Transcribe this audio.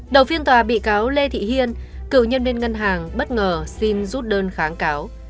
đầu phiên tòa bị cáo lê thị hiên cựu nhân viên ngân hàng bất ngờ xin rút đơn kháng cáo